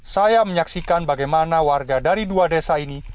saya menyaksikan bagaimana warga dari dua desa ini